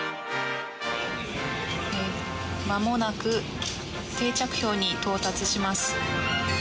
まもなく定着氷に到着します。